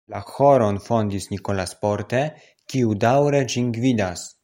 La ĥoron fondis "Nicolas Porte", kiu daŭre ĝin gvidas.